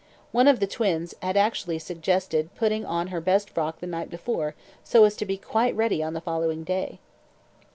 One of the twins had actually suggested putting on her best frock the night before so as to be quite ready on the following day.